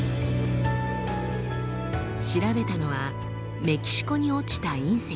調べたのはメキシコに落ちた隕石。